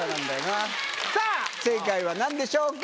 さぁ正解は何でしょうか？